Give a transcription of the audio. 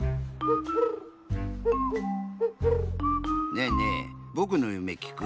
ねえねえぼくのゆめきく？